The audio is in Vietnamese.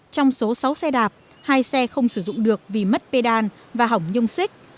trong số sáu xe đạp hai xe không sử dụng được vì mất bê đan và hỏng nhông xích